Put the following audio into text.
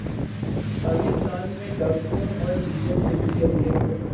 پاکستان میں ڈاکٹروں اور دیگر طبی عملے کو